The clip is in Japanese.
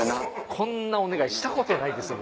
こんなお願いしたことないですよ